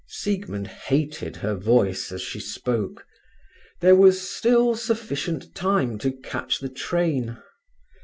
Siegmund hated her voice as she spoke. There was still sufficient time to catch the train.